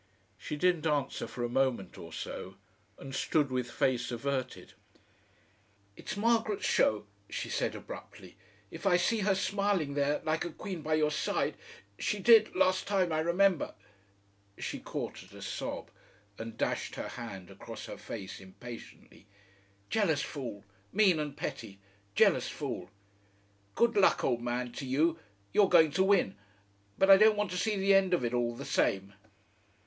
She didn't answer for a moment or so, and stood with face averted. "It's Margaret's show," she said abruptly. "If I see her smiling there like a queen by your side ! She did last time. I remember." She caught at a sob and dashed her hand across her face impatiently. "Jealous fool, mean and petty, jealous fool!... Good luck, old man, to you! You're going to win. But I don't want to see the end of it all the same...."